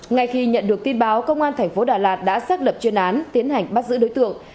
ngay khi nhận được tin báo công an thành phố đà lạt đã xác lập chuyên án tiến hành bắt giữ đối tượng